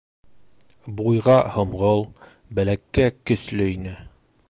Буйға һомғол, беләккә көслө ине!